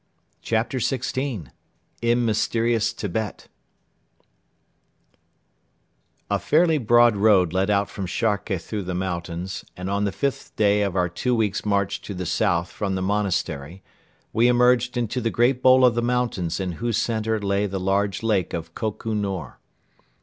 CHAPTER XVI IN MYSTERIOUS TIBET A fairly broad road led out from Sharkhe through the mountains and on the fifth day of our two weeks' march to the south from the monastery we emerged into the great bowl of the mountains in whose center lay the large lake of Koko Nor.